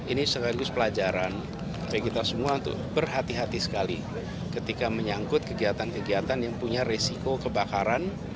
ini sekaligus pelajaran bagi kita semua untuk berhati hati sekali ketika menyangkut kegiatan kegiatan yang punya resiko kebakaran